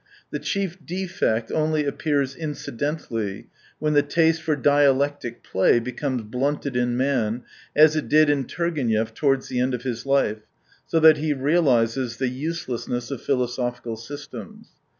The chief defect only appears incidentally, when the taste for dialectic play becomes blunted in man, as it did in Turgenev towards the end of his life, so that he realises the uselessness of philosophical systems.